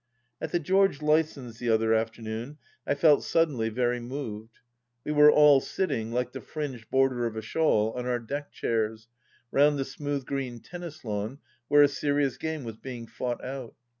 At the George Lysons' the other afternoon I felt suddenly very moved. We were all sitting, like the fringed border of a shawl, on our deck chairs, round the smooth green tennis lawn, where a serious game was being fought out.